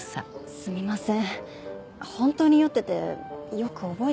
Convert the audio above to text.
すみません。